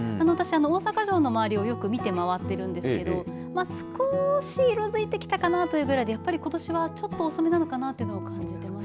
大阪城の周りをよく見て回ってるんですけど少し色づいてきたかなというくらいでやっぱりことしは遅めなのかなと感じてます。